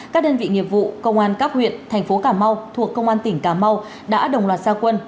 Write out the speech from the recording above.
các đơn vị nghiệp vụ công an các huyện thành phố cà mau thuộc công an tỉnh cà mau đã đồng loạt gia quân